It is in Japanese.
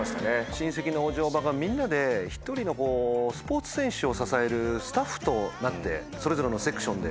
親戚のおじおばがみんなで１人のスポーツ選手を支えるスタッフとなってそれぞれのセクションで。